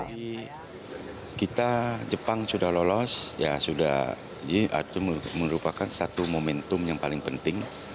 jadi kita jepang sudah lolos ya sudah ini merupakan satu momentum yang paling penting